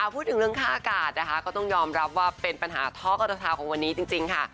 พูดถึงเรื่องค่าอากาศนะคะก็ต้องยอมรับว่าเป็นปัญหาท้อกระทาของวันนี้จริงค่ะ